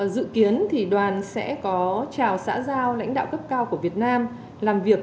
dự kiến đoàn sẽ có trào xã giao lãnh đạo cấp cao của việt nam